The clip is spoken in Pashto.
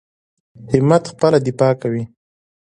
همت خپله دفاع کوي.